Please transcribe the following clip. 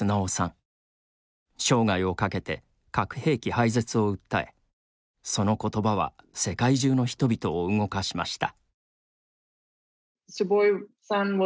生涯をかけて、核兵器廃絶を訴えそのことばは世界中の人々を動かしました。